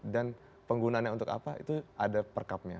dan penggunanya untuk apa itu ada perkapnya